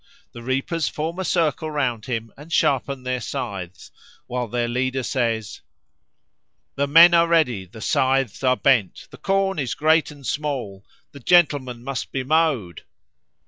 The reapers form a circle round him and sharpen their scythes, while their leader says: "The men are ready, The scythes are bent, The corn is great and small, The gentleman must be mowed."